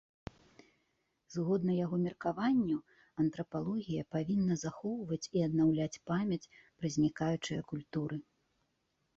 Згодна яго меркаванню, антрапалогія павінна захоўваць і аднаўляць памяць пра знікаючыя культуры.